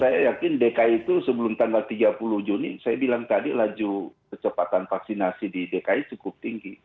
saya yakin dki itu sebelum tanggal tiga puluh juni saya bilang tadi laju kecepatan vaksinasi di dki cukup tinggi